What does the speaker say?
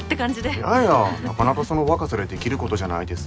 いやいやなかなかその若さでできることじゃないです。